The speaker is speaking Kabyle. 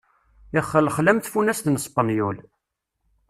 Illexlex am tfunast n ṣpenyul.